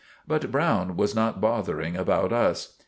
But Browne was not bothering about us.